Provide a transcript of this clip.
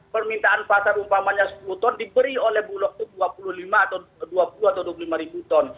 permintaan pasar umpamanya sepuluh ton diberi oleh bulog itu dua puluh lima atau dua puluh atau dua puluh lima ribu ton